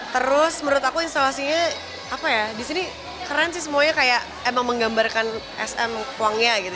terus menurut aku instalasinya apa ya di sini keren sih semuanya kayak emang menggambarkan sm kuangnya gitu